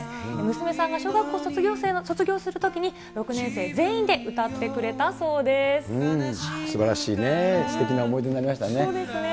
娘さんが小学校を卒業するときに６年生全員で歌ってくれたそうですばらしいね、すてきな思い出になりましたね。